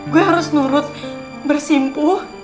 gue harus nurut bersimpu